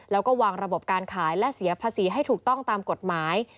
แล้วก็วางระบบการขายและเสียภาษีให้ถูกต้องตามกฎหมาย